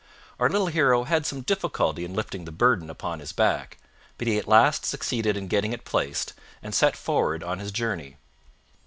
Our little hero had some difficulty in lifting the burden upon his back; but he at last succeeded in getting it placed and set forward on his journey.